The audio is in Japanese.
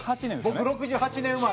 僕６８年生まれ。